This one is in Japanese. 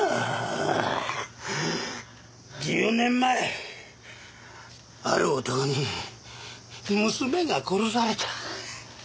１０年前ある男に娘が殺された。